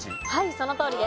そのとおりです。